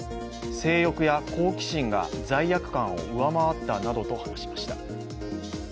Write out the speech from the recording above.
性欲や好奇心が罪悪感を上回ったなどと話しました。